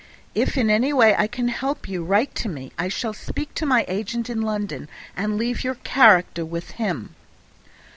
If in any way I can help you, write to me. I shall speak to my agent in London, and leave your character with him."